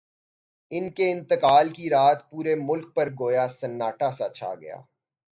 ان کے انتقال کی رات پورے ملک پر گویا سناٹا سا چھا گیا۔